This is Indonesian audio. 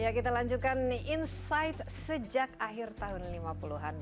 ya kita lanjutkan nih insight sejak akhir tahun lima puluh an